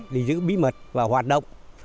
để giữ bí mật và hoạt động